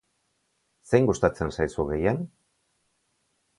Zein gustatzen zaizu gehien?